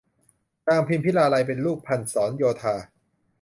นางพิมพิลาไลยเป็นลูกพันศรโยธา